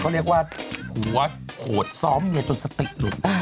เขาเรียกว่าหัวโหดซ้อมเมียจนสติหลุด